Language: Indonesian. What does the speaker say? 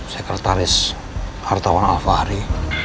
sekretaris hartawan al fahri